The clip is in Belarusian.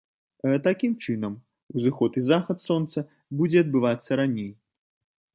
Такім чынам, узыход і захад сонца будзе адбывацца раней.